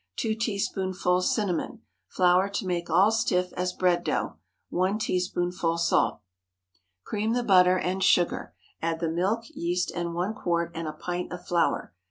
2 teaspoonfuls cinnamon. Flour to make all stiff as bread dough. 1 teaspoonful salt. Cream the butter and sugar, add the milk, yeast, and one quart and a pint of flour.